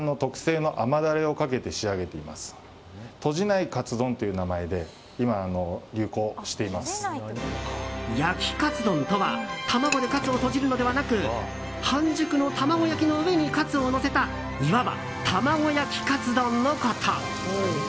焼きカツ丼？焼きカツ丼とは卵でカツをとじるのではなく半熟の卵焼きの上にカツをのせたいわば卵焼きカツ丼のこと。